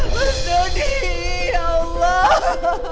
mas dodi ya allah